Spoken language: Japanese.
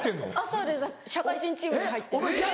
そうです社会人チームに入って。